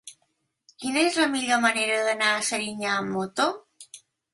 Quina és la millor manera d'anar a Serinyà amb moto?